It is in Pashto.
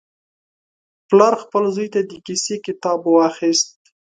پلار خپل زوی ته د کیسې کتاب واخیست.